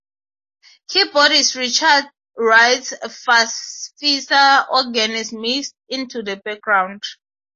Keyboardist Richard Wright's Farfisa organ is mixed into the background.